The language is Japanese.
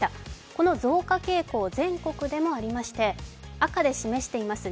この増加傾向、全国でもありまして赤で示しています